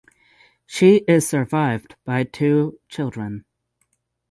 She is survived by two children.